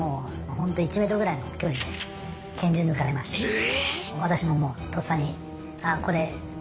え⁉